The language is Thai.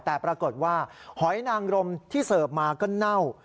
แต่ปรากฏว่าหอยนางรมที่เสิร์ฟมาก็เน่า